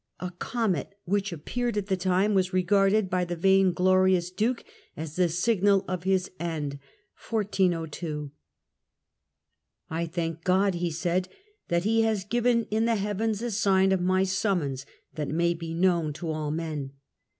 A comet which appeared at the time, was ^zzo, 1402 regarded by the vainglorious Duke as the signal of his end. "I thank God," he said, " that He has given in the heavens a sign of my summons, that it may be known to all men."